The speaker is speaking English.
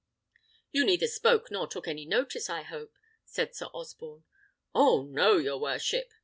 "You neither spoke nor took any notice, I hope," said Sir Osborne. "Oh, no, your worship!"